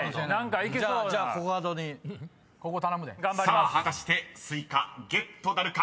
［さあ果たしてスイカゲットなるか？